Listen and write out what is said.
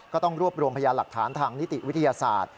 ก็ต้องรวบรวมพยานหลักฐานทางนิติวิทยาศาสตร์